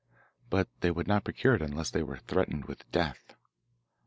But they would not procure it unless they were threatened with death.